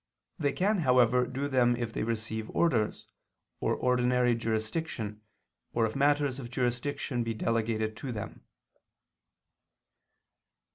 They can, however, do them if they receive orders, or ordinary jurisdiction, or if matters of jurisdiction be delegated to them.